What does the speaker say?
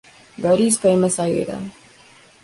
Verdi's famous Aida.